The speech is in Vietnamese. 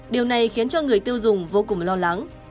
điều này khiến cho người tiêu dùng vô cùng lo lắng